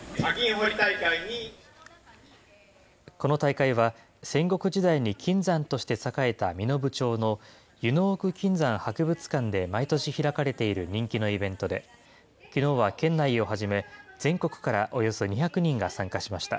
この大会は、戦国時代に金山として栄えた身延町の湯之奥金山博物館で毎年開かれている人気のイベントで、きのうは県内をはじめ、全国からおよそ２００人が参加しました。